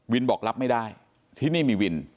บอกรับไม่ได้ที่นี่มีวิน